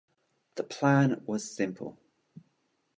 The plan was simple.